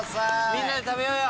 みんなで食べようよ！